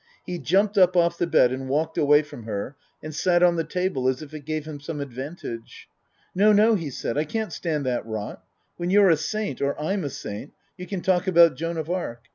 He jumped up off the bed and walked away from her and sat on the table as if it gave him some advantage. " No, no," he said. " I can't stand that rot. When you're a saint or I'm a saint you can talk about Joan of Arc.